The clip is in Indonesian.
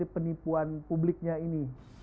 penipuan publiknya ini